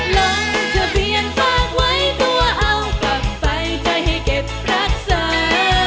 ลงทะเบียนฝากไว้ตัวเอากลับไปใจให้เก็บรักษา